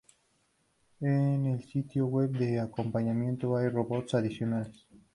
En el sitio web de acompañamiento hay robots adicionales.